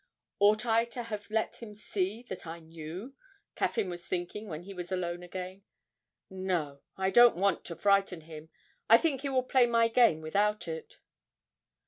'Ought I to have let him see that I knew?' Caffyn was thinking when he was alone again. 'No, I don't want to frighten him. I think he will play my game without it.'